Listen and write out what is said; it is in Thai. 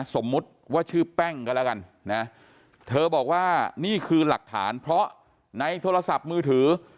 สมมุติว่าชื่อแป้งก็แล้วกันนะเธอบอกว่านี่คือหลักฐานเพราะในโทรศัพท์มือถือ